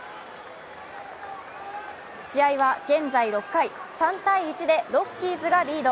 試合は現在６回、３−１でロッキーズがリード。